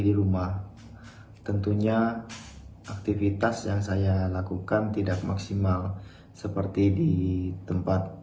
di rumah tentunya aktivitas yang saya lakukan tidak maksimal seperti di tempat